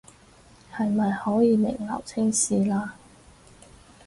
是咪可以名留青史了